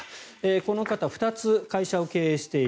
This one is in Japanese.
この方は２つ会社を経営している。